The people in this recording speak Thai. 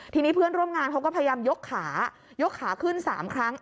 ทีนี้เพื่อนร่วมงานเขาก็พยายามยกขายกขาขึ้น๓ครั้ง